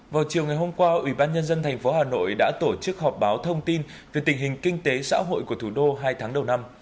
vào chiều ngày hôm qua ủy ban nhân dân tp hà nội đã tổ chức họp báo thông tin về tình hình kinh tế xã hội của thủ đô hai tháng đầu năm